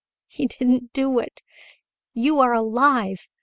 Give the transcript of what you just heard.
"He didn't do it! You are alive!